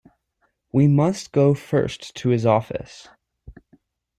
We must go first to his office.